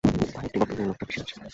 তার একটিই বক্তব্য-এই লোকটা পিশাচ।